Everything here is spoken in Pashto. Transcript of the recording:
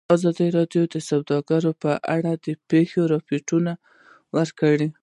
ازادي راډیو د سوداګري په اړه د پېښو رپوټونه ورکړي.